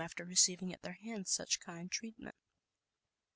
after receiving at their hands such kind treatment.